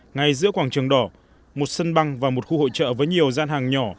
ngay giữa quảng trường đỏ một sân băng và một khu hội trợ với nhiều gian hàng nhỏ